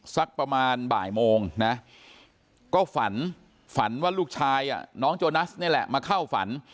สักประมาณบ่ายโมงนะก็ฝันฝันว่าลูกชายน้องโจนัสนี่แหละมาเข้าฝัน